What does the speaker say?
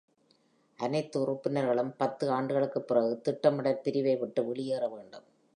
அனைத்து உறுப்பினர்களும் பத்து ஆண்டுகளுக்குப் பிறகு திட்டமிடல் பிரிவை விட்டு வெளியேற வேண்டும்.